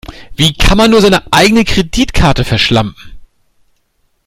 Wie kann man nur seine eigene Kreditkarte verschlampen?